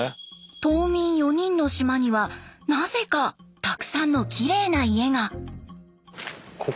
島民４人の島にはなぜかたくさんのきれいな家が。